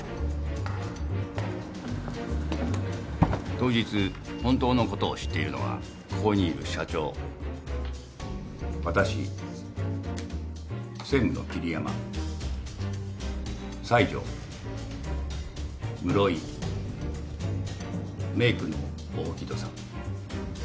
当日本当のことを知っているのはここにいる社長私専務の桐山西條室井メークの大木戸さん。